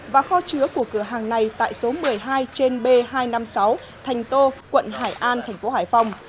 và kho chứa của cửa hàng này tại số một mươi hai trên b hai trăm năm mươi sáu thành tô quận hải an thành phố hải phòng